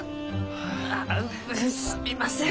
ああすみません！